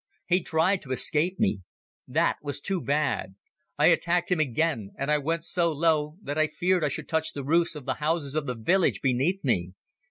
He tried to escape me. That was too bad. I attacked him again and I went so low that I feared I should touch the roofs of the houses of the village beneath me.